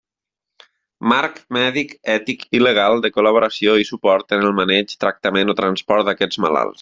Marc mèdic ètic i legal de col·laboració i suport en el maneig, tractament o transport d'aquests malalts.